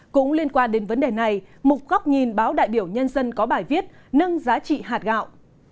cũng liên quan đến vấn đề này một góc nhìn báo đại biểu nhân dân có bài viết nâng giá trị hạt gạo